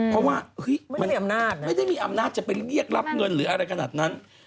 เพราะว่าไม่ได้มีอำนาจจะไปเรียกรับเงินหรืออะไรขนาดนั้น